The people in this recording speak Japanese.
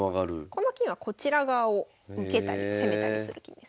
この金はこちら側を受けたり攻めたりする金ですね。